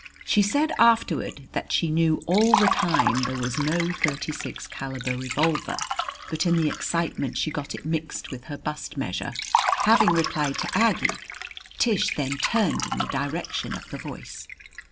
She said afterward that she knew all the time there was no thirty six caliber revolver, but in the excitement she got it mixed with her bust measure. Having replied to Aggie, Tish then turned in the direction of the voice.